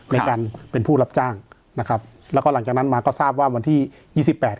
ในการเป็นผู้รับจ้างนะครับแล้วก็หลังจากนั้นมาก็ทราบว่าวันที่ยี่สิบแปด